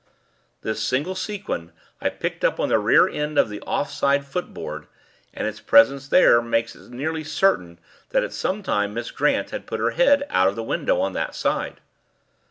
"This single sequin I picked up on the rear end of the off side footboard, and its presence there makes it nearly certain that at some time Miss Grant had put her head out of the window on that side.